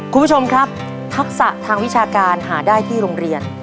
คุณผู้ชมครับทักษะทางวิชาการหาได้ที่โรงเรียน